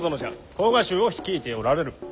甲賀衆を率いておられる。